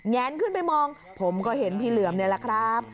แนนขึ้นไปมองผมก็เห็นพี่เหลือมนี่แหละครับ